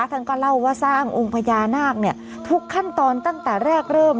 ท่านก็เล่าว่าสร้างองค์พญานาคทุกขั้นตอนตั้งแต่แรกเริ่ม